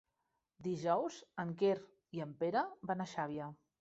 Dijous en Quer i en Pere van a Xàbia.